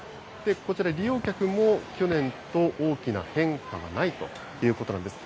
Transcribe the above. こちら、利用客も去年と大きな変化がないということなんです。